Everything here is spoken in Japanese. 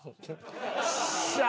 よっしゃー！